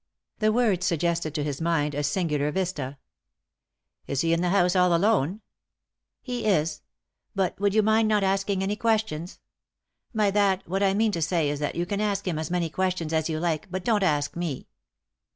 The words suggested to his mind a singular vista. " Is he in the house all alone ?"" He is. But would you mind not asking any ques tions ? By that, what I mean to say is that you can ask him as many questions as you like, but don't ask me."